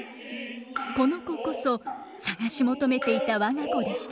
この子こそ捜し求めていた我が子でした。